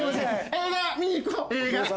映画見に行こう映画！